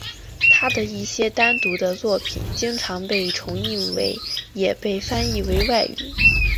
他的一些单独的作品经常被重印也被翻译为外语。